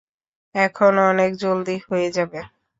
এখন অনেক জলদি হয়ে যাবে।